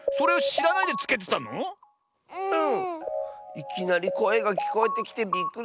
いきなりこえがきこえてきてびっくりしたッス。